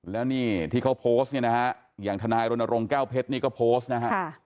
แล้วนี่ที่เขาโพสต์เนี่ยนะฮะอย่างทนายรณรงค์แก้วเพชรนี่ก็โพสต์นะฮะ